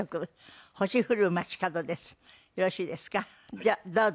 じゃあどうぞ。